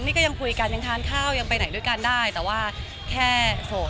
นี่ก็ยังคุยกันยังทานข้าวยังไปไหนด้วยกันได้แต่ว่าแค่โสด